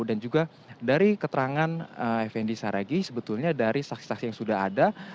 dan juga dari keterangan effendi saragih sebetulnya dari saksi saksi yang sudah ada